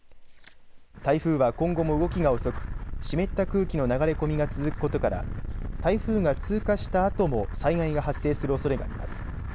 台風は今後も動きが遅く湿った空気の流れ込みが続くことから台風が通過したあとも災害が発生するおそれがあります。